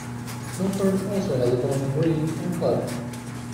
Milford also has a Bowling Green and club.